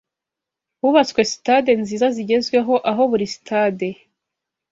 hubatswe Stade nziza zigezweho aho buri Sitade